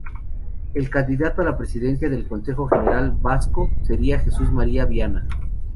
El candidato a la presidencia del Consejo General Vasco sería Jesús María Viana.